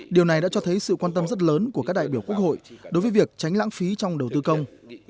điều này đã cho thấy sự quan tâm rất lớn của các đại biểu quốc hội đối với việc tránh lãng phí trong đầu tư công